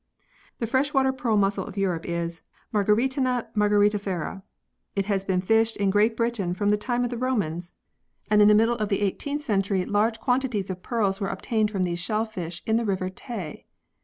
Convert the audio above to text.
The fresh water pearl mussel of Europe is Mar cjaritana margaritifera. It has been fished in Great Britain from the time of the Romans, and in the 90 PEARLS [CH. middle of the 18th century large quantities of pearls were obtained from these shellfish in the river Tay.